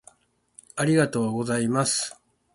ありがとうございます